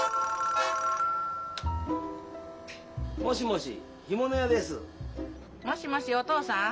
もしもしおとうさん？